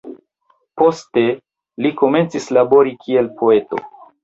Poste, li komencis labori kiel poeto.